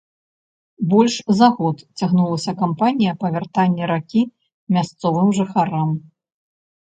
Больш за год цягнулася кампанія па вяртанні ракі мясцовым жыхарам.